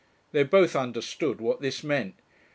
They both understood what this meant.